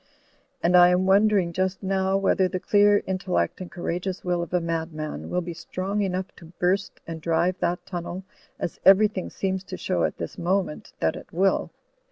And I am wondering just now whether the clear intellect and courageous will of a madman will be strong enough to burst and drive that timnel, as everything seems to show at this moment that it will.